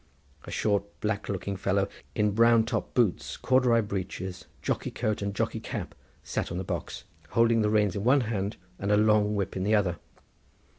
A short black looking fellow in brown top boots, corduroy breeches, jockey coat and jockey cap sat on the box, holding the reins in one hand and a long whip in the other.